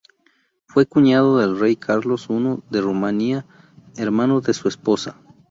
Fue cuñado del rey Carlos I de Rumania, hermano de su esposa.